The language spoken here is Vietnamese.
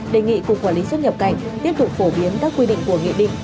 đề nghị cục quản lý xuất nhập cảnh tiếp tục phổ biến các quy định của nghị định